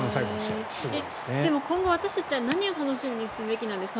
今後私たちは何を楽しみにすべきなんですか？